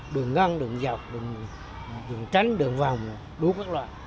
đường ngăn đường dọc đường tránh đường vòng đủ các loại